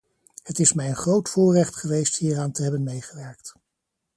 Het is mij een groot voorrecht geweest hieraan te hebben meegewerkt.